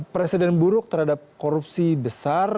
presiden buruk terhadap korupsi besar